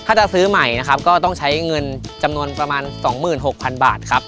ถ้าจะซื้อใหม่นะครับก็ต้องใช้เงินจำนวนประมาณ๒๖๐๐๐บาทครับ